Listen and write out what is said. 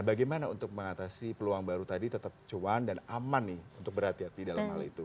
bagaimana untuk mengatasi peluang baru tadi tetap cuan dan aman nih untuk berhati hati dalam hal itu